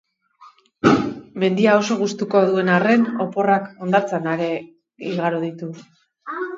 Mendia oso gustuko duen arren, oporrak hondartzan ere igaro ditu.